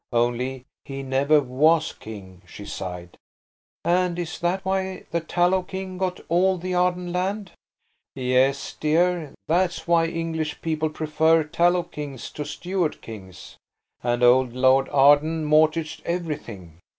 Only he never was king," she sighed. "And is that why the Tallow King got all the Arden land?" "Yes, dear–that's why English people prefer Tallow kings to Stuart kings. And old Lord Arden mortgaged everything.